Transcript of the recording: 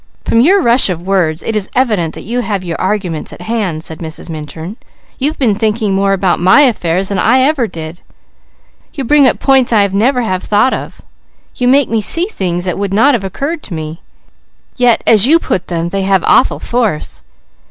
"From your rush of words, it is evident you have your arguments at hand," said Mrs. Minturn. "You've been thinking more about my affairs than I ever did. You bring up points I never have thought of; you make me see things that would not have occurred to me; yet as you put them, they have awful force.